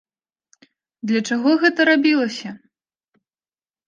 Для чаго гэта рабілася?